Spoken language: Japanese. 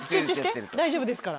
大丈夫ですから。